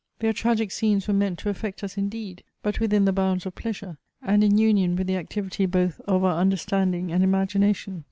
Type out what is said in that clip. Their tragic scenes were meant to affect us indeed, but within the bounds of pleasure, and in union with the activity both of our understanding and imagination.